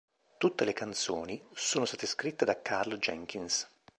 Tutte le canzoni sono state scritte da Karl Jenkins.